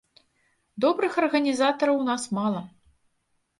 Добрых арганізатараў у нас мала.